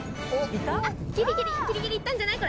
ギリギリギリギリ行ったんじゃない？